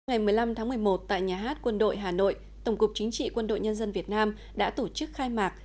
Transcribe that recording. ngày một mươi năm tháng một mươi một tại nhà hát quân đội hà nội tổng cục chính trị quân đội nhân dân việt nam đã tổ chức khai mạc